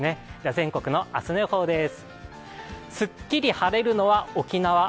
全国の明日の予報です。